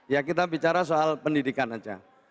ya kita bicara soal pendidikan aja